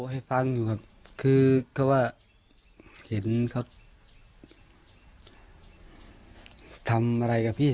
คิดว่าเราดูแลลูกไม่ได้